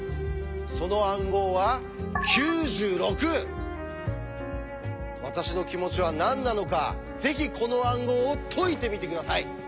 その暗号は私の気持ちは何なのかぜひこの暗号を解いてみて下さい。